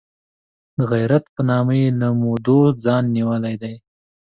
د غیرت په نامه یې له مودو ځان نیولی دی.